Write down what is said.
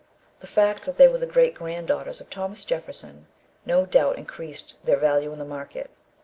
The fact that they were the grand daughters of Thomas Jefferson, no doubt, increased their value in the market.